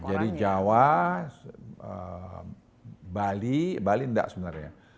jadi jawa bali bali tidak sebenarnya